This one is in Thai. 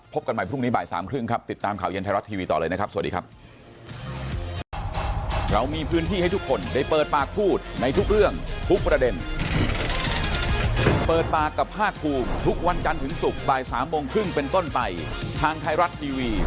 กันใหม่พรุ่งนี้บ่ายสามครึ่งครับติดตามข่าวเย็นไทยรัฐทีวีต่อเลยนะครับสวัสดีครับ